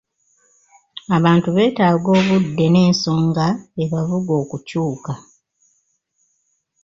Abantu beetaaga obudde n'ensonga ebavuga okukyuka.